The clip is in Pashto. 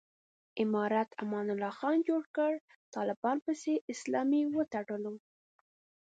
امارت امان الله خان جوړ کړ، طالبانو پسې اسلامي وتړلو.